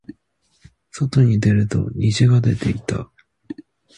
外に出ると虹が出ていた。